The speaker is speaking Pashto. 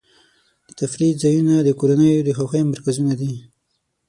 د تفریح ځایونه د کورنیو د خوښۍ مرکزونه دي.